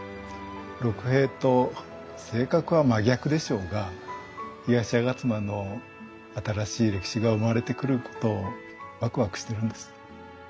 六平と性格は真逆でしょうが東吾妻の新しい歴史が生まれてくることをワクワクしてるんです。